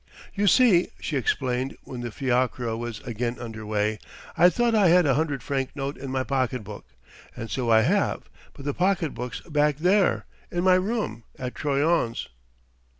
"You see," she explained when the fiacre was again under way, "I thought I had a hundred franc note in my pocketbook; and so I have but the pocketbook's back there, in my room at Troyon's."